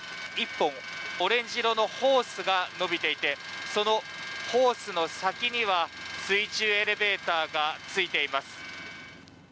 １本、オレンジ色のホースが延びていてそのホースの先には水中エレベーターがついています。